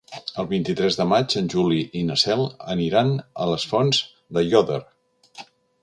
El vint-i-tres de maig en Juli i na Cel aniran a les Fonts d'Aiòder.